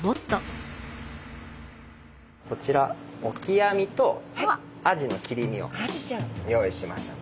こちらオキアミとアジの切り身を用意しました。